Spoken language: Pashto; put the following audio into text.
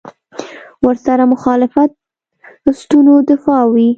ورسره مخالفت سنتونو دفاع وي.